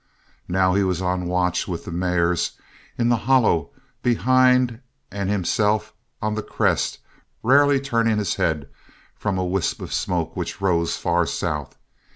Now he was on watch with the mares in the hollow behind and himself on the crest rarely turning his head from a wisp of smoke which rose far south.